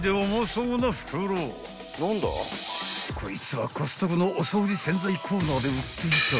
［こいつはコストコのお掃除洗剤コーナーで売っていた］